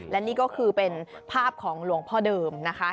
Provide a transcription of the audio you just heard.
และนี่ก็คือเป็นภาพของหลวงพ่อเดิมนะคะ